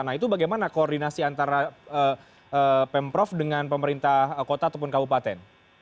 nah itu bagaimana koordinasi antara pemprov dengan pemerintah kota ataupun kabupaten